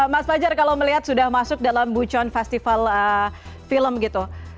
mas fajar kalau melihat sudah masuk dalam bucon festival film gitu